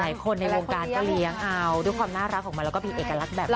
ในวงการก็เลี้ยงเอาด้วยความน่ารักของมันแล้วก็มีเอกลักษณ์แบบนี้